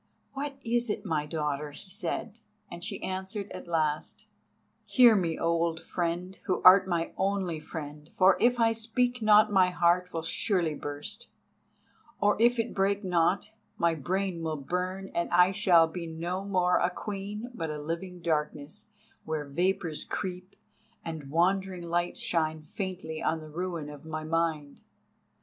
"What is it, my daughter?" he said, and she answered at last: "Hear me, old friend, who art my only friend—for if I speak not my heart will surely burst; or if it break not, my brain will burn and I shall be no more a Queen but a living darkness, where vapours creep, and wandering lights shine faintly on the ruin of my mind.